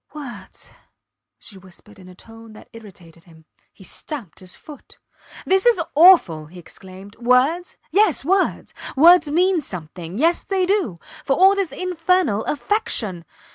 Words! she whispered in a tone that irritated him. He stamped his foot. This is awful! he exclaimed. Words? Yes, words. Words mean something yes they do for all this infernal affectation.